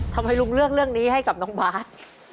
ทำไมลุงเลือกเรื่องนี้ให้กับน้องบาท